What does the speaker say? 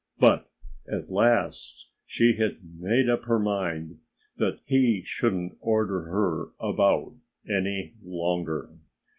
But at last she had made up her mind that he shouldn't order her about any longer.